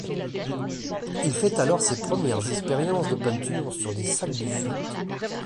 Il fait alors ses premières expériences de peinture sur des sacs de jute.